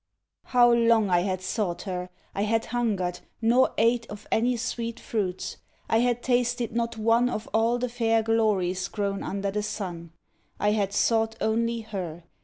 How long I had sought her! I had hungered, nor ate Of any sweet fruits. I had tasted not one Of all the fair glories grown under the sun. I had sought only her.